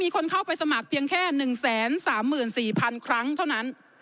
คนเข้าไปสมัครเพียงแค่๑๓๔๐๐๐ครั้งเท่านั้น